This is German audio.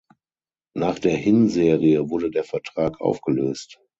Nach der Hinserie wurde der Vertrag aufgelöst.